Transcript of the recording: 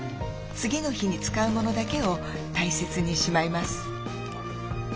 次の日に使うものだけを大切にしまいます。